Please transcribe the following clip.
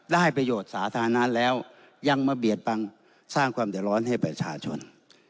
ได้ประโยชน์สาธารณะแล้วยังมาเบียดบังสร้างความเดือดร้อนให้ประชาชน